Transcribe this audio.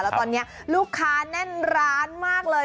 แล้วตอนนี้ลูกค้าแน่นร้านมากเลย